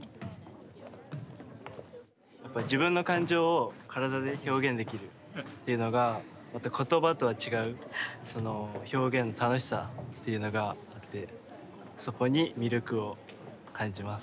やっぱり自分の感情を体で表現できるっていうのが言葉とは違う表現の楽しさっていうのがあってそこに魅力を感じます